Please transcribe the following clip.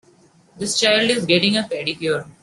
This child is getting a pedicure.